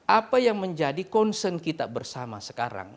apa yang menjadi concern kita bersama sekarang